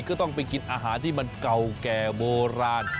ก็ต้องไปกินอาหารที่มันเก่าแก่โบราณ